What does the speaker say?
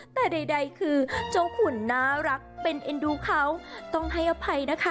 แต่ใดคือเจ้าขุนน่ารักเป็นเอ็นดูเขาต้องให้อภัยนะคะ